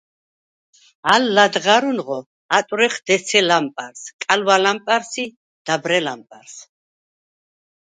ალ ლადღა̈რუნღო ატვრეხ დეცე ლამპა̈რს, კალვა̈ ლამპა̈რს ი დაბრე ლამპა̈რს.